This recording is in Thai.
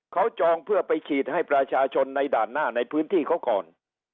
เขาจองเพื่อไปฉีดให้ประชาชนในด่านหน้าในพื้นที่เขาก่อน